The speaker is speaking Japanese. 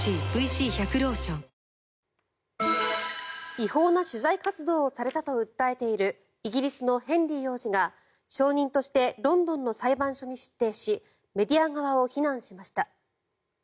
違法な取材活動をされたと訴えているイギリスのヘンリー王子が証人としてロンドンの裁判所に出廷しメディア側を非難しました。